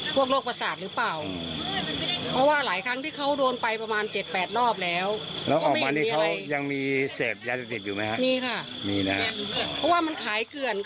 ประโยคนี้ได้ยินไหมครับคุณ